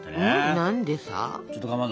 何でさ？